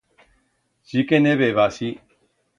Sí que ne b'heba, sí.